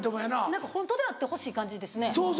何かホントであってほしい感じですね。